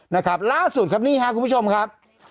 นะครับล่าสุดครับนี่ครับคุณผู้ชมครับ